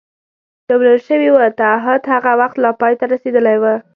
پرېولل شوي و، تعهد هغه وخت لا پای ته رسېدلی و.